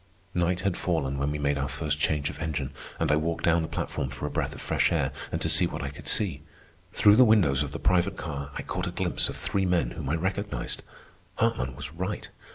Night had fallen when we made our first change of engine, and I walked down the platform for a breath of fresh air and to see what I could see. Through the windows of the private car I caught a glimpse of three men whom I recognized. Hartman was right.